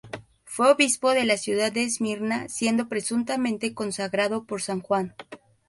Fue obispo de la ciudad de Esmirna, siendo presuntamente consagrado por San Juan.